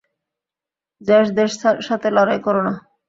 জেটসদের সাথে লড়াই করো না।